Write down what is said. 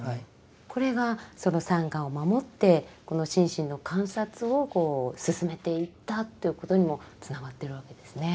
これがそのサンガを守って心身の観察を進めていったということにもつながってるわけですね。